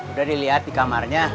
udah dilihat di kamarnya